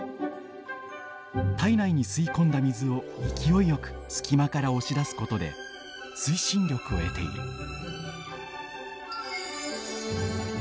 体内に吸い込んだ水を勢いよく隙間から押し出すことで推進力を得ている。